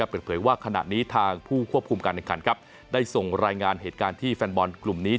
เปิดเผยว่าขณะนี้ทางผู้ควบคุมการแข่งขันครับได้ส่งรายงานเหตุการณ์ที่แฟนบอลกลุ่มนี้